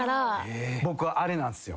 僕はあれなんすよ。